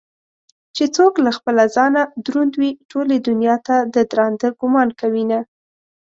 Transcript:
چې څوك له خپله ځانه دروند وي ټولې دنياته ددراندۀ ګومان كوينه